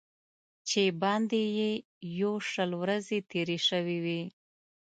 چې باندې یې یو شل ورځې تېرې شوې وې.